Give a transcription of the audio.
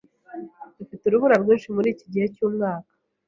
Dufite urubura rwinshi muriki gihe cyumwaka.